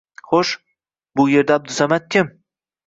Xo‘sh, bu yerda Abdusamad kim?